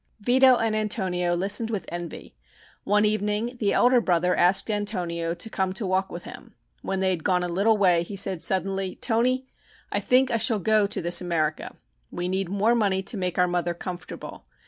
Vito and Antonio listened with envy. One evening the elder brother asked Antonio to come to walk with him. When they had gone a little way he said suddenly: "Toni, I think I shall go to this America. We need more money to make our mother comfortable.